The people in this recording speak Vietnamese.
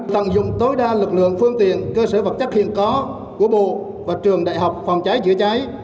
bộ công an tổ chức lực lượng phương tiện cơ sở vật chất hiện có của bộ và trường đại học phòng cháy chữa cháy